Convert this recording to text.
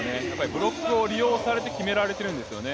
ブロックを利用されて決められてるんですよね。